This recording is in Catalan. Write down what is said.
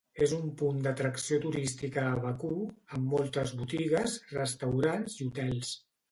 És un punt d'atracció turística a Bakú, amb moltes botigues, restaurants i hotels.